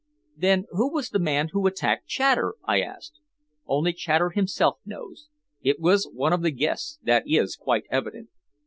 "Then who was the man who attacked Chater?" I asked. "Only Chater himself knows. It was one of the guests, that is quite evident."